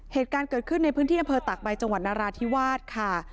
เหตุการณ์เกิดขึ้นในพื้นที่อำเภอตากใบจังหวัดนราธิวาสค่ะ